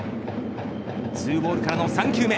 ２ボールからの３球目。